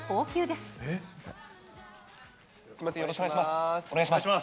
すみません、よろしくお願いします。